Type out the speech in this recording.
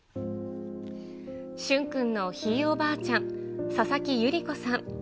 駿君のひいおばあちゃん、佐々木百合子さん。